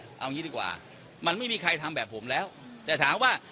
เอางี้ดีกว่ามันไม่มีใครทำแบบผมแล้วแต่ถามว่า